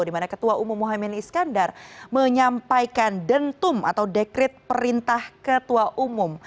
di mana ketua umum muhaymin iskandar menyampaikan dentum atau dekret perintah ketua umum